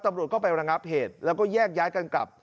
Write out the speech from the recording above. ตำรวจก็ไประงับเหตุแล้วก็แยกย้ายกันกลับ